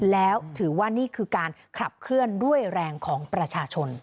แล้วถือว่านี่คือการขับเคลื่อนด้วยแรงของประชาชน